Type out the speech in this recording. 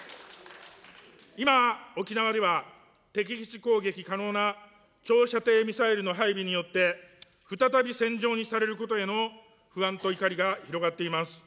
今、沖縄では、敵基地攻撃可能な長射程ミサイルの配備によって、再び戦場にされることへの不安と怒りが広がっています。